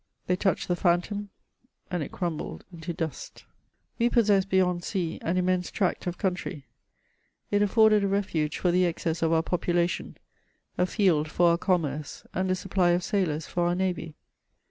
They touched the phantom, and it crumbled into dust. We possessed beyond sea an immense tract of country : it afforded ^a refuge for the excess of our population, a field for our commerce, and a supply of sailors for our navy.